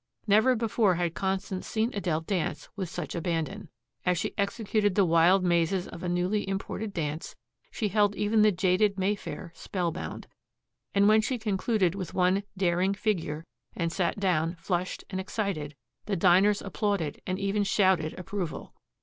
Never before had Constance seen Adele dance with such abandon. As she executed the wild mazes of a newly imported dance, she held even the jaded Mayfair spellbound. And when she concluded with one daring figure and sat down, flushed and excited, the diners applauded and even shouted approval.